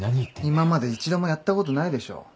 今まで一度もやったことないでしょ？